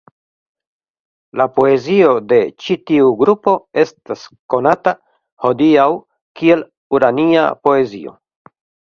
La poezio de ĉi tiu grupo estas konata hodiaŭ kiel "urania poezio.